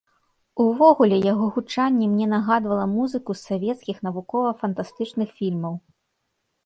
Увогуле, яго гучанне мне нагадвала музыку з савецкіх навукова-фантастычных фільмаў.